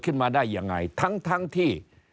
ขึ้นมาได้ยังไงทั้งทั้งที่